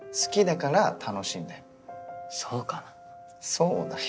そうだよ。